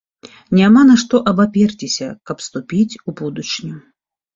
Няма на што абаперціся, каб ступіць у будучыню.